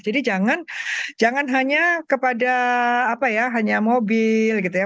jadi jangan hanya kepada apa ya hanya mobil gitu ya